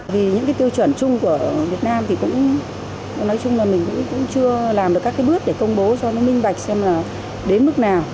vì những cái tiêu chuẩn chung của việt nam thì cũng nói chung là mình cũng chưa làm được các cái bước để công bố cho nó minh bạch xem là đến mức nào